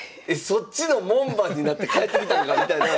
そっちの門番になって帰ってきたんかみたいな。